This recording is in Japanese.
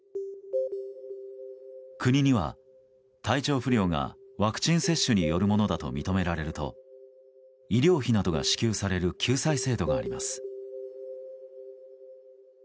国には体調不良がワクチン接種によるものだと認められると医療費などが支給される救済制度があります。